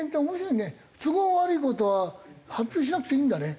都合悪い事は発表しなくていいんだね。